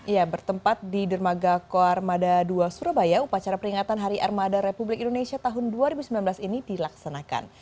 ya bertempat di dermaga koarmada dua surabaya upacara peringatan hari armada republik indonesia tahun dua ribu sembilan belas ini dilaksanakan